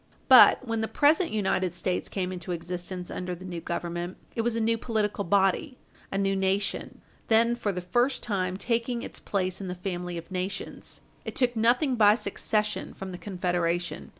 But, when the present United States came into existence under the new Government, it was a new political body, a new nation, then for the first time taking its place in the family of nations. It took nothing by succession from the Confederation.